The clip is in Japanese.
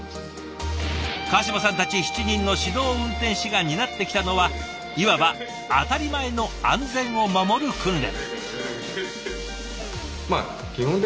川島さんたち７人の指導運転士が担ってきたのはいわば当たり前の安全を守る訓練。